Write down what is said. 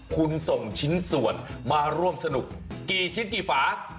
คุณส่งชิ้นส่วนมาร่วมสนุกกี่ชิ้นกี่ฝา